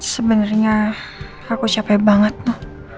sebenernya aku capek banget noh